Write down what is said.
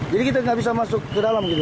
jadi kita tidak bisa masuk ke dalam gitu